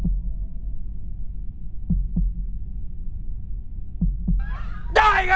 คุณหนูวันร้อง